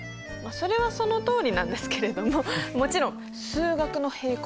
それはそのとおりなんですけれどももちろん数学の平行線の話です。